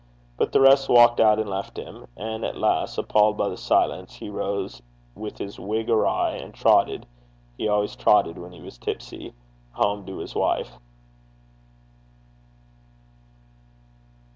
But the rest walked out and left him, and at last, appalled by the silence, he rose with his wig awry, and trotted he always trotted when he was tipsy home to his wife.